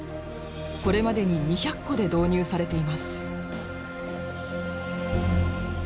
これまでに２００戸で導入されています。